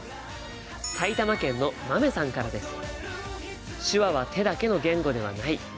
埼玉県のまめさんからです。